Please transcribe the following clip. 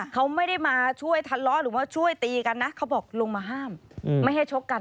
เขาไม่ได้มาช่วยทะเลาะหรือว่าช่วยตีกันนะเขาบอกลงมาห้ามไม่ให้ชกกัน